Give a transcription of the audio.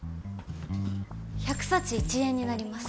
１００サチ１円になります。